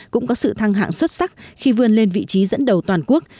cũng có sự thăng hạng xuất sắc khi vươn lên vị trí dẫn đầu toàn quốc